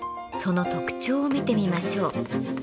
その特徴を見てみましょう。